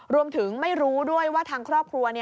รวมถึงไม่รู้ด้วยว่าทางครอบครัว